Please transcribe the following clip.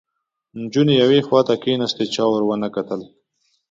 نجونې یوې خواته کېناستې، چا ور ونه کتل